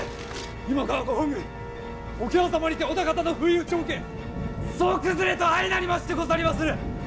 今川ご本軍桶狭間にて織田方の不意打ちを受け総崩れと相なりましてござりまする！